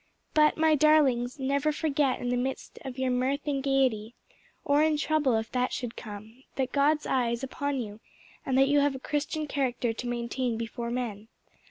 But, my darlings, never forget in the midst of your mirth and gayety or in trouble, if that should come that God's eye is upon you, and that you have a Christian character to maintain before men.